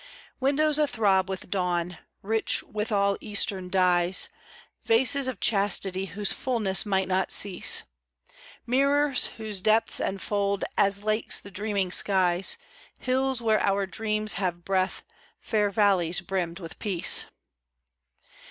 Windows athrob with dawn, rich with all Eastern dyes; Vases of chastity whose fulness might not cease; Mirrors whose depths enfold, as lakes the dreaming skies, Hills where our dreams have breath, fair valleys brimmed with peace.